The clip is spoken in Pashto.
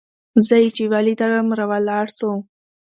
زه چې يې وليدلم راولاړ سو.